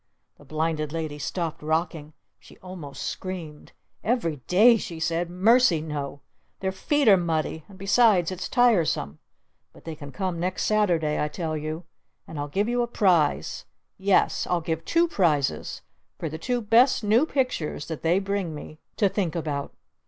The Blinded Lady stopped rocking. She almost screamed. "Every day?" she said. "Mercy no! Their feet are muddy! And besides it's tiresome! But they can come next Saturday I tell you! And I'll give you a prize! Yes, I'll give two prizes for the two best new pictures that they bring me to think about!